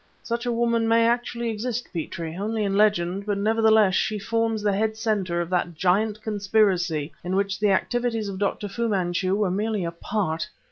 "Such a woman may actually exist, Petrie, only in legend; but, nevertheless, she forms the head center of that giant conspiracy in which the activities of Dr. Fu Manchu were merely a part.